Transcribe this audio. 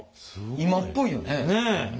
今っぽいよね。ね！